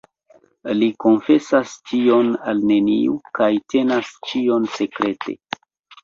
Li konfesas tion al neniu kaj tenas ĉion sekrete.